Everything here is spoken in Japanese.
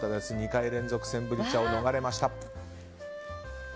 ２回連続センブリ茶を逃れました。